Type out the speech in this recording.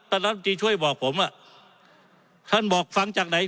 ท่านรัฐบิปภัฒน์ช่วยบอกผมท่านบอกฟังจากไหน